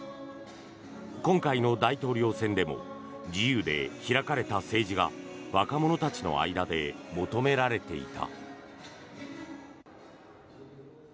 今回の大統領選でも自由で開かれた政治が若者たちの間で求められていた。